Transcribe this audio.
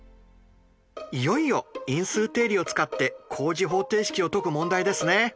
いよいよ因数定理を使って高次方程式を解く問題ですね。